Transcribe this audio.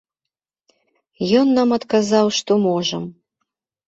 Ён нам адказаў, што можам.